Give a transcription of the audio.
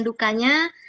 pendekatan tim satgas